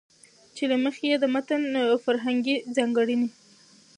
چې له مخې يې د متن فرهنګي ځانګړنې